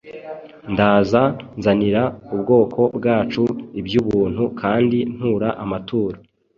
ndaza nzanira ab’ubwoko bwacu iby’ubuntu, kandi ntura amaturo